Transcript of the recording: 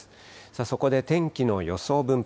そこで天気の予想分布